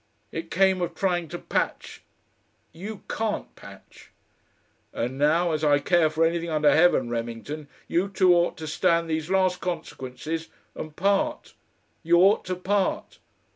It came of trying to patch.... You CAN'T patch." "And now, as I care for anything under heaven, Remington, you two ought to stand these last consequences and part. You ought to part.